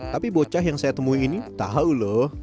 tapi bocah yang saya temui ini tahu loh